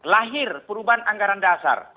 lahir perubahan anggaran dasar